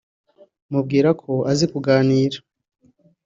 mubwira ko azi kuganira